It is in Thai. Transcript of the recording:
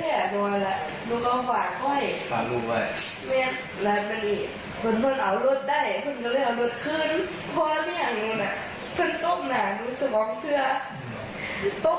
ตกปากลูกแล้วก็ตกตรงนี้